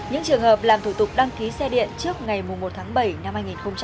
những trường hợp làm thủ tục đăng ký xe điện trước ngày một tháng bảy năm hai nghìn hai mươi bốn